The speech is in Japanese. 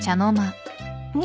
うわ！